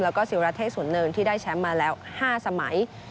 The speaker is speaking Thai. แล้วก็ศิวราเทศสวนเนินที่ได้แชมป์มาแล้ว๕สมัย